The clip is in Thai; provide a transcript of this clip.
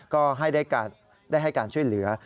ก็ได้ให้การช่วยเหลือ